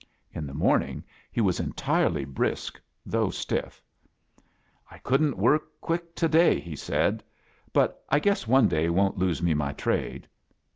In the morning he was entirely brisk, though stiff. "I couldn't work quick to^y," he said. "But I guess one day won't lose me my trade."